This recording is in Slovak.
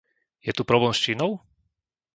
Je tu problém s Čínou?